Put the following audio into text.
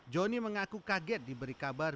joni mengaku kaget diberi kabar